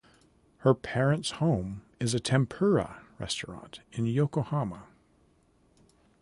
Her parents' home is a tempura restaurant in Yokohama.